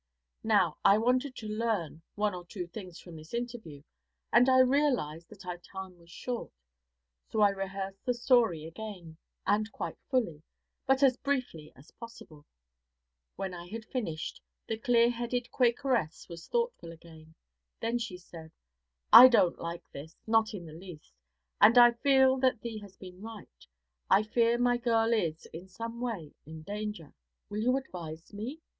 Now, I wanted to learn one or two things from this interview, and I realized that our time was short, so I rehearsed the story again, and quite fully, but as briefly as possible. When I had finished, the clear headed Quakeress was thoughtful again, then she said: 'I don't like this, not in the least; and I feel that thee has been right. I fear my girl is, in some way, in danger. Will you advise me?'